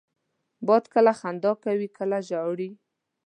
باد کله خندا کوي، کله ژاړي